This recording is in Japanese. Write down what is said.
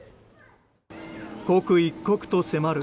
刻一刻と迫る